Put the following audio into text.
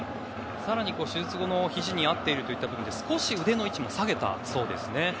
更に、手術後のひじに合っているという部分で少し腕の位置も下げたそうです。